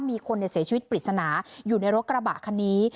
มีคนเสียชีวิตปริศนาอยู่ในรถกระบะคันนี้